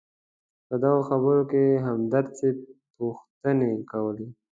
په دغه خبرو کې همدرد صیب پوښتنې کولې.